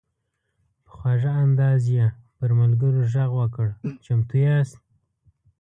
په خواږه انداز یې پر ملګرو غږ وکړ: "چمتو یاست؟"